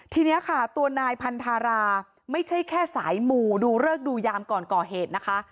ทีนี้ค่ะตัวนายพันธาราไม่ใช่แค่สายหมู่ดูเริกดูยามก่อนก่อเหตุนะคะ